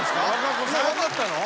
今分かったの？